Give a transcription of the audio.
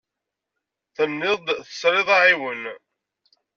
Tenniḍ-d tesriḍ aɛiwen.